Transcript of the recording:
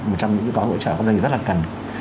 một trong những cái gói hỗ trợ của doanh nghiệp rất là cần